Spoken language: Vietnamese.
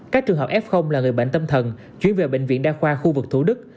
các trường hợp f là người bệnh tâm thần chuyển về bệnh viện đa khoa khu vực thủ đức